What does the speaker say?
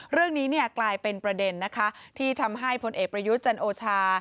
เรื่องนี้กลายเป็นประเด็นนะคะที่ทำให้พลเอกประยุทธ์จันโอชา